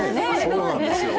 そうなんですよ。